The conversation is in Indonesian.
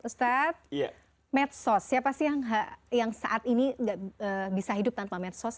ustadz medsos siapa sih yang saat ini bisa hidup tanpa medsos